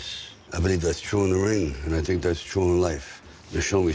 ฉันคิดว่ามันจริงและฉันคิดว่ามันจริงในชีวิต